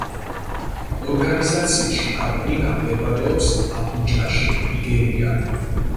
ორგანიზაციის შტაბ-ბინა მდებარეობს აბუჯაში, ნიგერია.